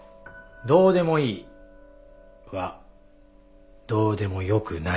「どうでもいい」は「どうでもよくない」です。